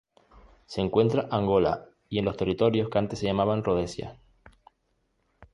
Se encuentra Angola y en los territorios que antes se llamaban Rodesia.